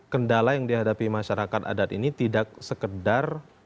kendala yang dihadapi masyarakat adat ini tidak sekedar